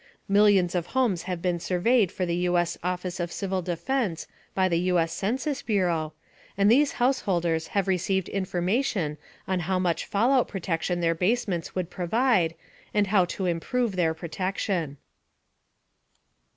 Millions of homes have been surveyed for the U.S. Office of Civil Defense by the U.S. Census Bureau, and these householders have received information on how much fallout protection their basements would provide, and how to improve this protection.